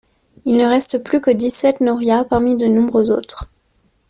Il ne reste plus que dix-sept norias parmi de nombreuses autres.